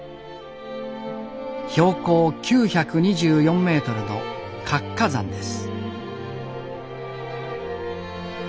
標高９２４メートルの活火山です。